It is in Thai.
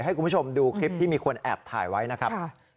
ให้คุณผู้ชมดูคลิปที่มีคนแอบถ่ายไว้นะครับ